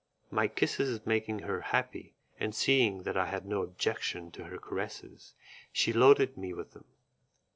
My kisses making her happy, and seeing that I had no objection to her caresses, she loaded me with them.